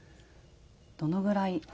どのぐらい？